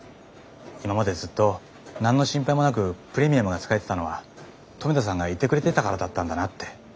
今までずっと何の心配もなくプレミアムが使えてたのは留田さんがいてくれてたからだったんだなって。